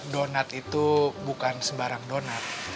donat itu bukan sembarang donat